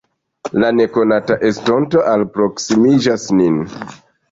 La nekonata estonto alproksimiĝas nin.